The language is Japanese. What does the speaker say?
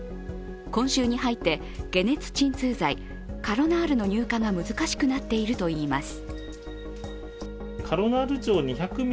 今週に入って解熱鎮痛剤、カロナールの入荷が難しくなっているといいます。